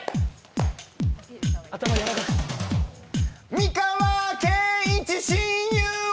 美川憲一親友は？